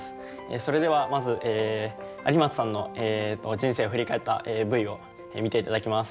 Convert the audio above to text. それではまず有松さんの人生を振り返ったＶを見て頂きます。